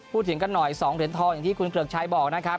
พูดถึงกันหน่อย๒เหรียญทองอย่างที่คุณเกลือกชัยบอกนะครับ